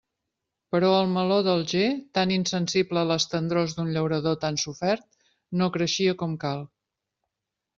Però el meló d'Alger, tan insensible a les tendrors d'un llaurador tan sofert, no creixia com cal.